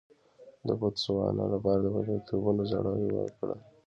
د بوتسوانا لپاره د بریالیتوبونو زړي وکرل.